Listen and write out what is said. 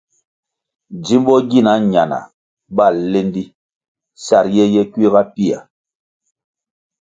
Djimbo gina ñana bal lendi sa riye ye kuiga pia.